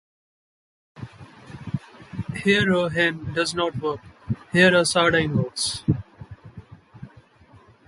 Here a hen does not work, here a sardine works.